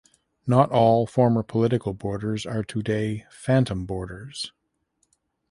Not all former political borders are today phantom borders.